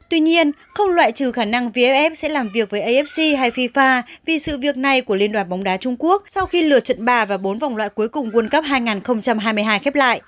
tuy nhiên không loại trừ khả năng vff sẽ làm việc với afc hay fifa vì sự việc này của liên đoàn bóng đá trung quốc sau khi lượt trận ba và bốn vòng loại cuối cùng world cup hai nghìn hai mươi hai khép lại